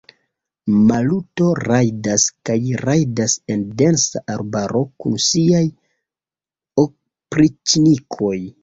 Maluto rajdas kaj rajdas en densa arbaro kun siaj opriĉnikoj.